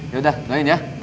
yaudah doain ya